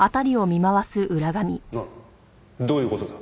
なんだ？どういう事だ？